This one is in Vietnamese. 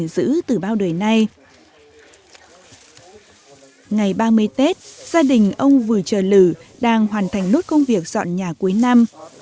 giữ từ bao đời nay ngày ba mươi tết gia đình ông vừa chờ lử đang hoàn thành nốt công việc dọn nhà cuối năm